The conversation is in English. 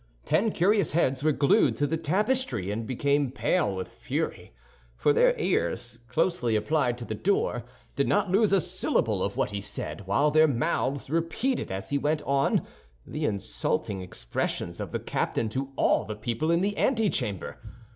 Ten curious heads were glued to the tapestry and became pale with fury; for their ears, closely applied to the door, did not lose a syllable of what he said, while their mouths repeated as he went on, the insulting expressions of the captain to all the people in the antechamber.